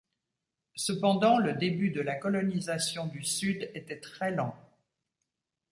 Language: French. Cependant, le début de la colonisation du Sud était très lent.